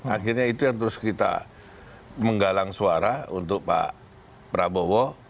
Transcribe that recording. akhirnya itu yang terus kita menggalang suara untuk pak prabowo